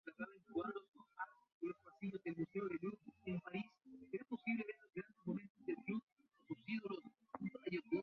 De joven conoció a Mijaíl Bajtín y participó en sus reuniones filosóficas.